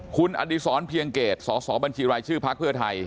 คุณอดีศรเพียงเกตสสบัญชีรายชื่อพักเพื่อไทย